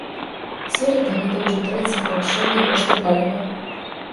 Сёлета гэта ўжо трэцяе павышэнне кошту паліва.